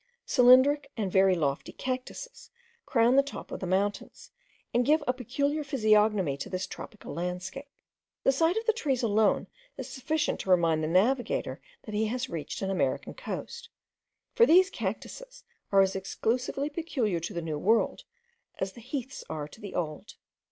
Cylindric and very lofty cactuses crown the top of the mountains, and give a peculiar physiognomy to this tropical landscape. The sight of the trees alone is sufficient to remind the navigator that he has reached an American coast; for these cactuses are as exclusively peculiar to the New World, as the heaths are to the Old.